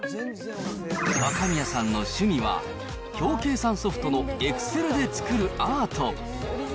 若宮さんの趣味は、表計算ソフトのＥｘｃｅｌで作るアート。